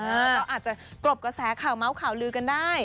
ก็อาจจะกรบกระแสข่าวเมาส์ข่าวลือกันได้